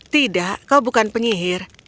tidak kau bukan penyihir